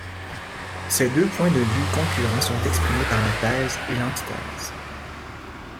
Ces deux points de vue concurrents sont exprimés par la thèse et l'antithèse.